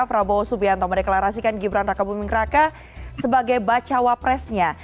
prabowo subianto mendeklarasikan gibran raka bumingraka sebagai bacawa presnya